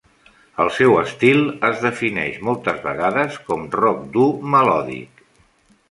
El seu estil es defineix moltes vegades com rock dur melòdic.